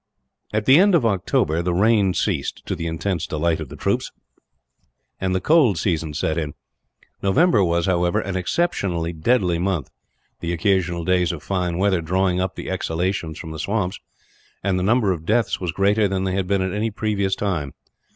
At the end of October the rain ceased to the intense delight of the troops and the cold season set in. November was, however, an exceptionally deadly month the occasional days of fine weather drawing up the exhalations from the swamps and the number of deaths was greater than they had been at any previous time.